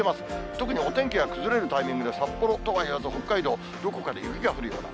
特にお天気が崩れるタイミングで、札幌とは言わず北海道、どこかで雪が降るような、